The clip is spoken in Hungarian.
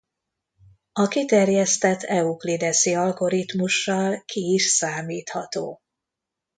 A kiterjesztett euklideszi algoritmussal ki is számítható.